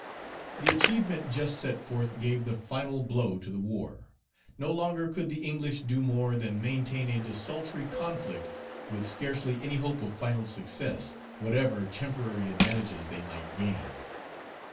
The achievement just set forth gave the final blow to the war. No longer could the English do more than maintain a desultory conflict with scarcely any hope of final success, whatever temporary advantages they might gain.